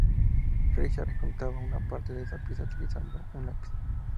Richard ejecutaba una parte de esa pieza utilizando un lápiz.